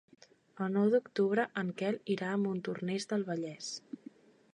El nou d'octubre en Quel irà a Montornès del Vallès.